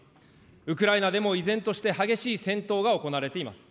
ウクライナでも依然として激しい戦闘が行われています。